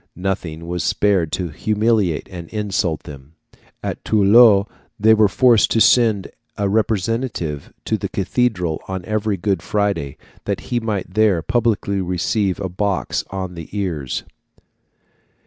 Nothing was spared to humiliate and insult them. At Toulouse they were forced to send a representative to the cathedral on every Good Friday, that he might there publicly receive a box on the ears.